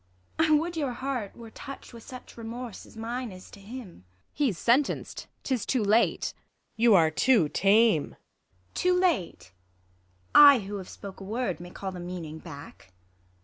I Avould your heart were toucht with such Eemorse, as mine is to him. Ang. He's sentenc'd ; 'tis too late ! Luc. You are too tame. IsAB. Too late? I who have spoke a Avord may call The meaning back.